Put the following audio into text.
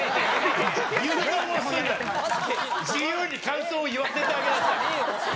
自由に感想を言わせてあげなさい。